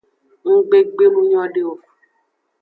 Nggbe gbe nu nyode o.